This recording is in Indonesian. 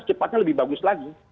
secepatnya lebih bagus lagi